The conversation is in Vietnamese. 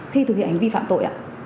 khi thực hiện hành vi phạm tội